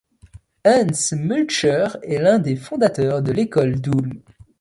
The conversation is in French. Hans Multscher est l'un des fondateurs de l'école d'Ulm.